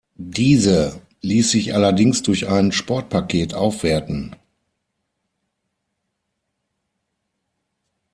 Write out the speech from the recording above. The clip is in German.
Diese ließ sich allerdings durch ein Sport-Paket aufwerten.